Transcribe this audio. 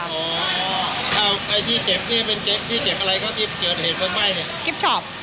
อ้าวไอ้ที่เจ็บนี่เป็นที่เจ็บอะไรคะที่เกิดเหตุผลไหม้เนี่ยคลิปชอป